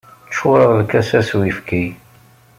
Ččureɣ lkas-a s uyefki.